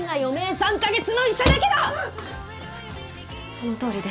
そのとおりです。